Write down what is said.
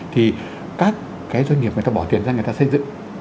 thì các cái doanh nghiệp người ta bỏ tiền ra người ta xây dựng